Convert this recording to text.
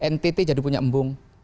ntt jadi punya embung